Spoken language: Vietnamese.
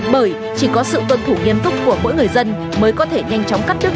bởi chỉ có sự tuân thủ nghiêm túc của mỗi người dân mới có thể nhanh chóng cắt đứ